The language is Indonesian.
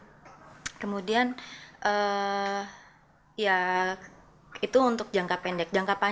di blog tulis waktu ditemukan oleh fue dares ini menandakan aspek ket crew yang diberikan